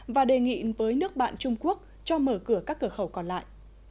và đề nghị với nước bạn trung quốc cho mở cửa các cửa khẩu còn lại